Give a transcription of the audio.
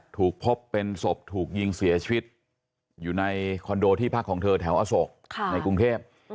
ถูกพบเป็นศพถูกยิงเสียชีวิตอยู่ในคอนโดที่พักของเธอแถวอโศกในกรุงเทพ